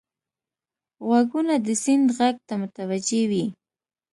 غوږونه د سیند غږ ته متوجه وي